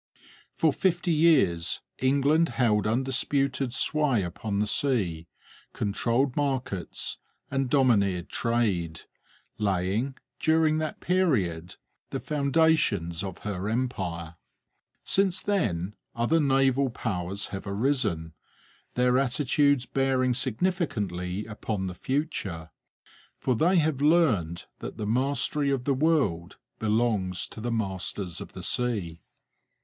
For fifty years England held undisputed sway upon the sea, controlled markets, and domineered trade, laying, during that period, the foundations of her empire. Since then other naval powers have arisen, their attitudes bearing significantly upon the future; for they have learned that the mastery of the world belongs to the masters of the sea.